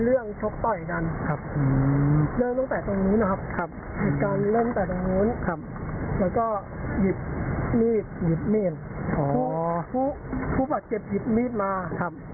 แล้วก็เดินไปข้างหน้าครับ